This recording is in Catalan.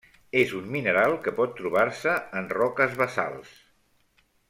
És un mineral que pot trobar-se en roques basalts.